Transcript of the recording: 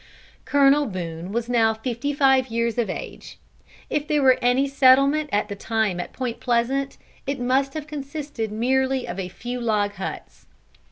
Colonel Boone was now fifty five years of age. If there were any settlement at the time at Point Pleasant, it must have consisted merely of a few log huts.